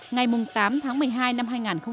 ngày tám tháng một mươi hai năm hai nghìn một mươi chín